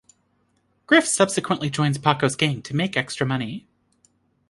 Griff subsequently joins Paco's gang to make extra money.